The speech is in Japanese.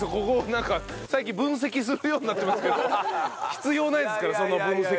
なんか最近分析するようになってますけど必要ないですからその分析。